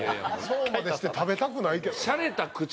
そうまでして食べたくないけどな。